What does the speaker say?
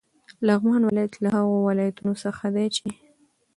لغمان ولایت له هغو ولایتونو څخه دی چې: